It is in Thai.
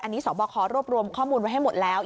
อันนี้สบครวบรวมข้อมูลไว้ให้หมดแล้ว